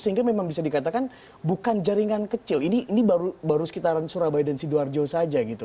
sehingga memang bisa dikatakan bukan jaringan kecil ini baru sekitaran surabaya dan sidoarjo saja gitu